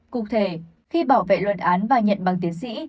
cụ thể khi bảo vệ luận án và nhận bằng tiến sĩ